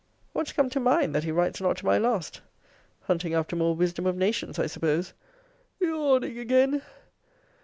What's come to mine, that he writes not to my last? Hunting after more wisdom of nations, I suppose! Yaw yaw yawning again!